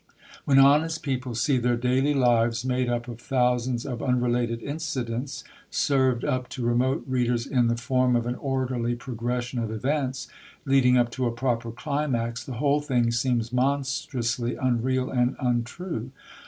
When honest people see their daily lives, made up of thousands of unrelated incidents, served up to remote readers in the form of an orderly progression of events, leading up to a proper climax, the whole thing seems monstrously unreal and untrue.